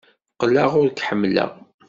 Qqleɣ ur k-ḥemmleɣ.